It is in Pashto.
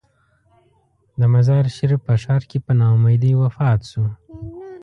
د مزار شریف په ښار کې په نا امیدۍ وفات شو.